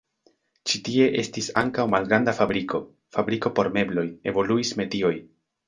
Ĉi tie estis ankaŭ malgranda fabriko, fabriko por mebloj, evoluis metioj.